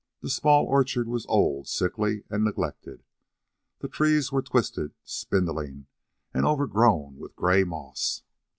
The small orchard was old, sickly, and neglected. The trees were twisted, spindling, and overgrown with a gray moss.